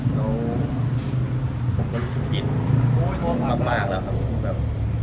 แล้วผมก็รู้สึกอิ่มมากแล้วครับ